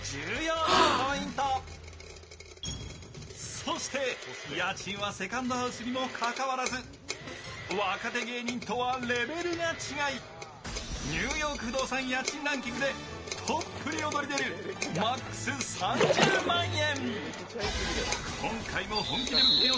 そして、家賃はセカンドハウスにもかかわらず若手芸人とはレベルが違い、「ニューヨーク不動産」家賃ランキングでトップに躍り出るトップに躍り出るマックス３０万円。